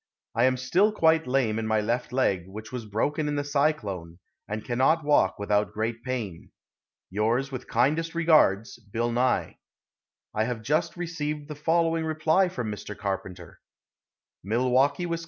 I am still quite lame in my left leg, which was broken in the cyclone, and cannot walk without great pain. Yours with kindest regards, BILL NYE. I have just received the following reply from Mr. Carpenter: MILWAUKEE, Wis.